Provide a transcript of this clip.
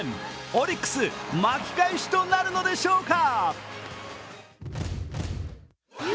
オリックス巻き返しとなるのでしょうか。